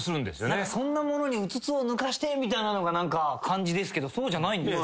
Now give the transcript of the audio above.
そんなものにうつつをぬかしてみたいな感じですけどそうじゃないんですね。